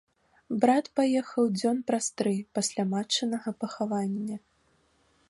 Брат паехаў дзён праз тры пасля матчынага пахавання.